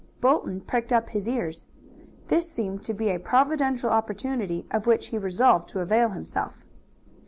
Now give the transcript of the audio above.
Bolton pricked up his ears. This seemed to be a providential opportunity, of which he resolved to avail himself.